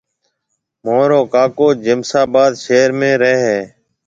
مهارو ڪاڪو جمساباد شهر ۾ رهيَ هيَ۔